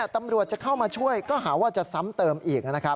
ตำรวจจะเข้ามาช่วยก็หาว่าจะซ้ำเติมอีก